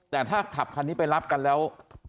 แต่ถ้าขับคันนี้ไปรับกันแล้ว